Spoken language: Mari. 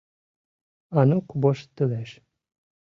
— Анук воштылеш.